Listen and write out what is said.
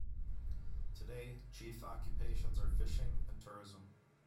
Today, chief occupations are fishing and tourism.